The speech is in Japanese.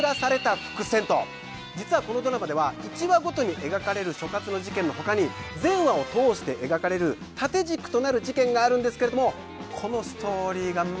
実はこのドラマでは１話ごとに描かれる所轄の事件の他に全話を通して描かれる縦軸となる事件があるんですけれどもこの。